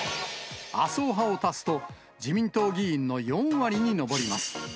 麻生派を足すと自民党議員の４割に上ります。